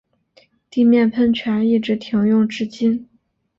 地面喷泉一直停用至今。